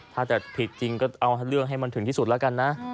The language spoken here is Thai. ถ้าจะผิดจริงก็เอาเรื่องให้มันถึงที่สุดแล้วกันนะ